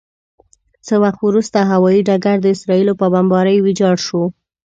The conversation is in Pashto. څه وخت وروسته هوايي ډګر د اسرائیلو په بمبارۍ ویجاړ شو.